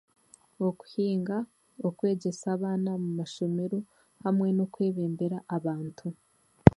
Okuhinga okwegyesa abaana omu mashomero hamwe n'okwebembera abantu